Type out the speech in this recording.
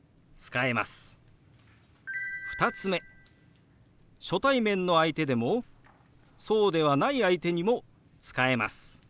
２つ目初対面の相手でもそうではない相手にも使えます。